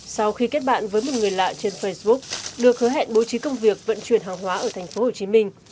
sau khi kết bạn với một người lạ trên facebook được hứa hẹn bố trí công việc vận chuyển hàng hóa ở tp hcm